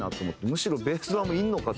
むしろベースドラムいるのか？